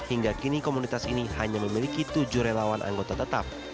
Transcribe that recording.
hingga kini komunitas ini hanya memiliki tujuh relawan anggota tetap